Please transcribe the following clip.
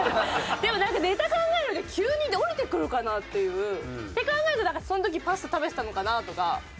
でもなんかネタ考える急に降りてくるかな？っていう。って考えるとその時パスタ食べてたのかな？とか。